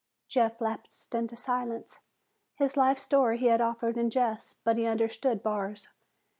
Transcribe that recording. Jeff lapsed into silence. His life story he had offered in jest, but he understood Barr's.